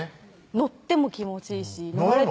乗っても気持ちいいし乗るの？